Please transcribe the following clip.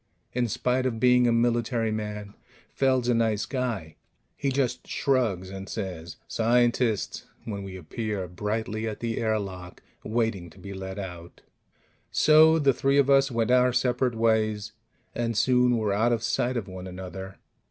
In spite of being a military man, Feld's a nice guy; he just shrugs and says, "Scientists!" when we appear brightly at the airlock, waiting to be let out. So the three of us went our separate ways, and soon were out of sight of one another.